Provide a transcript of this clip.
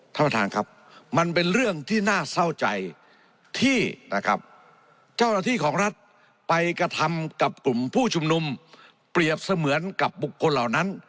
ท่านประธานครับมันเป็นเรื่องที่น่าเศร้าใจที่นะครับเจ้าหน้าที่ของรัฐไปกระทำกับกลุ่มผู้ชุมนุมเปรียบเสมือนกับบุคคลเหล่านั้น